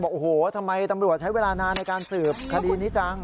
โอ้โหทำไมตำรวจใช้เวลานานในการสืบคดีนี้จัง